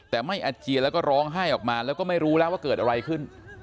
แต่ไม่อาเจียนแล้วก็ร้องไห้ออกมาแล้วก็ไม่รู้แล้วว่าเกิดอะไรขึ้น